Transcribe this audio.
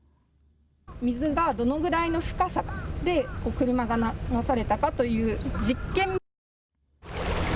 水がどのくらいの深さで車が流されたかという実験。